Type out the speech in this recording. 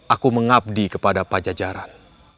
aku mengabdi kepada pajajaran